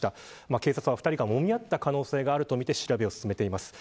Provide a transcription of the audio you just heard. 警察は２人がもみ合った可能性があるとみて調べを進めています。